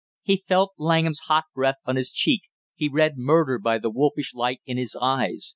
] He felt Langham's hot breath on his cheek, he read murder by the wolfish light in his eyes.